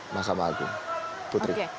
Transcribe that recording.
mahkamah agung putri